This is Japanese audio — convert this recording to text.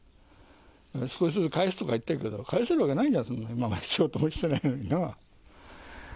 少しずつ返すとか言ってるけど、返せるわけないんだ、仕事もしてないのに。